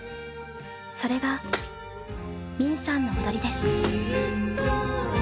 それが泯さんの踊りです